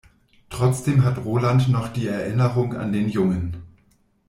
Trotzdem hat Roland noch die Erinnerung an den Jungen.